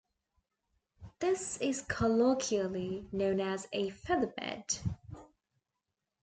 This is colloquially known as a "featherbed".